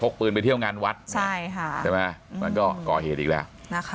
ปืนไปเที่ยวงานวัดใช่ไหมมันก็ก่อเหตุอีกแล้วนะคะ